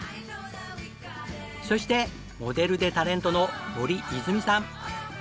そしてモデルでタレントの森泉さん。